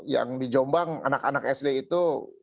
yang di jombang anak anak sd itu